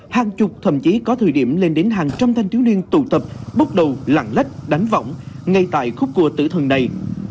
hàng chục thậm chí có thời điểm lên đến hàng trăm thanh thiếu niên tụ tập bốc đầu lặng lách đánh vọng ngay tại khúc cùa tử thần này